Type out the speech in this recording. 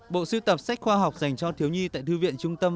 bộ sưu tập sách khoa học dành cho thiếu nhi tại thư viện trung tâm